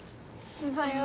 おはよう。